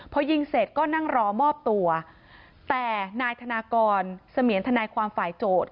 พอยิงเสร็จก็นั่งรอมอบตัวแต่นายธนากรเสมียนทนายความฝ่ายโจทย์